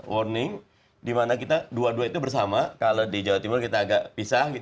warning dimana kita dua dua itu bersama kalau di jawa timur kita agak pisah